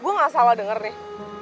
gue gak salah denger nih